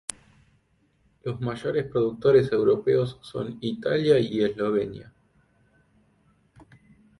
Los mayores productores europeos son Italia y Eslovenia.